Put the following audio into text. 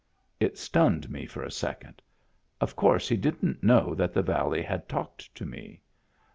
It stunned me for a second. Of course he didn't know that the valley had talked to me.